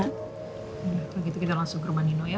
nah kalau gitu kita langsung ke rumah nino ya